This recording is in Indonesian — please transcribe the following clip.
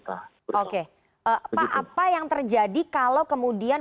pak apa yang terjadi kalau kemudian